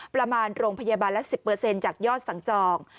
ประมาณโรงพยาบาลละ๑๐จากยอดสั่งจอง